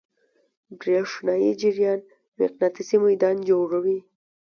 برېښنایی جریان مقناطیسي میدان جوړوي.